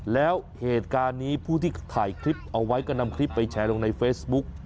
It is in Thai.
แล้วเหตุการณ์นี้ผู้ที่ถ่ายคลิปเอาไว้ก็นำคลิปไปแชร์ลงในเฟซบุ๊ก